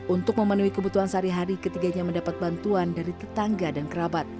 untuk memenuhi kebutuhan sehari hari ketiganya mendapat bantuan dari tetangga dan kerabat